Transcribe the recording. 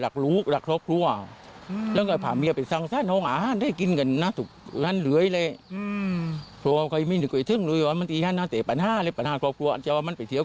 ก็นี่เมียถี่ส้มกันแล้ว